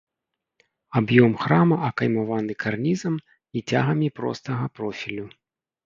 Аб'ём храма акаймаваны карнізам і цягамі простага профілю.